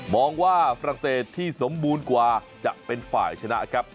บอกว่าฝรั่งเศสที่สมบูรณ์กว่าจะเป็นฝ่ายชนะครับ